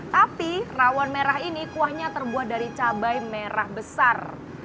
tapi rawon merah ini kuahnya terbuat dari cabai merah besar